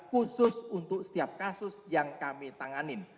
khusus untuk setiap kasus yang kami tanganin